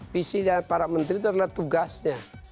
visi dari para menteri itu adalah tugasnya